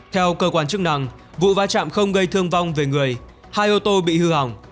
theo cơ quan chức năng vụ va chạm không gây thương vong về người hai ô tô bị hư hỏng